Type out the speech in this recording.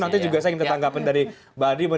nanti saya juga ingin ditanggapin dari badi